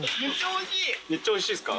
めっちゃおいしいっすか？